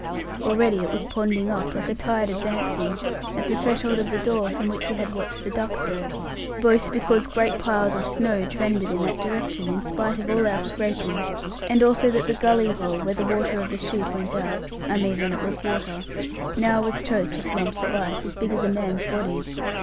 Already it was ponding up, like a tide advancing at the threshold of the door from which we had watched the duck birds; both because great piles of snow trended in that direction, in spite of all our scraping, and also that the gulley hole, where the water of the shoot went out (I mean when it was water) now was choked with lumps of ice, as big as a man's body.